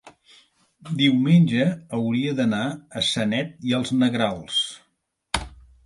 Diumenge hauria d'anar a Sanet i els Negrals.